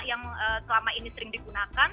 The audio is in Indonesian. yang selama ini sering digunakan